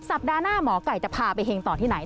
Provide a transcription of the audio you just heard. สัปดาห์หน้าหมอไก่จะพาไปเฮงต่อที่ไหน